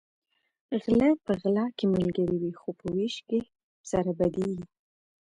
غلۀ په غلا کې ملګري وي خو په وېش کې سره بدیږي